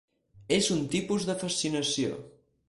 És un tipus de fascinació.